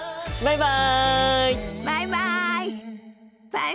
バイバイ！